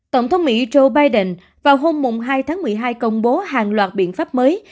tổng thống mỹ joe biden vào hôm hai tháng một mươi hai công bố hàng loạt biện pháp mới